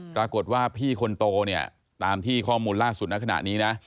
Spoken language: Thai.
ปรากฏว่าพี่คนโตตามที่ข้อมูลล่าสุดขนาดนี้นะ